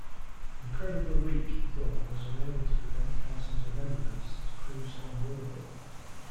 "Incredibly weak" Dillon was unable to prevent Carson's amendments to Crewe's Home Rule bill.